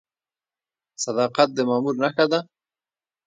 صداقت د مامور نښه ده؟